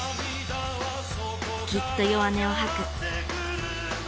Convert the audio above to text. きっと弱音をはく。